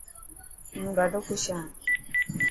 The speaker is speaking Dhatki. هون ڏاڌو خوش هان.